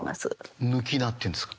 「抜菜」っていうんですか？